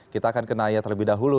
kita akan ke naya terlebih dahulu